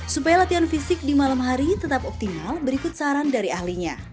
supaya latihan fisik di malam hari tetap optimal berikut saran dari ahlinya